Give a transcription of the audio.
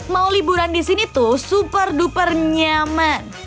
mau liburan di sini tuh super duper nyaman